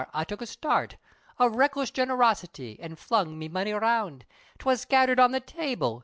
I took a start Of reckless generosity, An' flung me money round, 'Twas scatthered on the table!